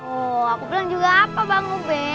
oh aku bilang juga apa bang ube